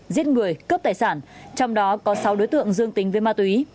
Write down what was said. giết người cướp tài sản trong đó có sáu đối tượng dương tính với ma túy